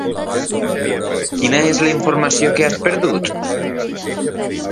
Quina és la informació que has perdut?